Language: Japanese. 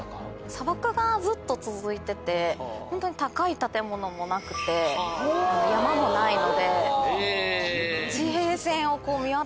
砂漠がずっと続いてて高い建物もなくて山もないので。